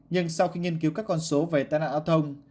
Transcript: nhưng sau khi nghiên cứu các con số về tai nạn giao thông